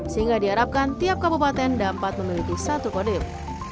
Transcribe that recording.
sehingga diharapkan tiap kabupaten dapat memiliki satu kodem